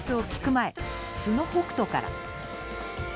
前素の北斗から。